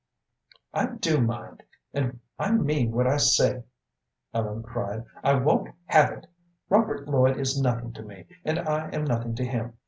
"I do mind, and I mean what I say," Ellen cried. "I won't have it. Robert Lloyd is nothing to me, and I am nothing to him.